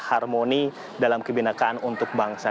harmoni dalam kebinakaan untuk bangsa